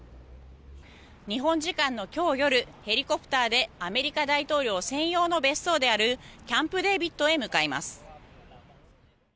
日本時間の今日夜ヘリコプターでアメリカ大統領専用の別荘であるキャンプデービッドへ向かいます。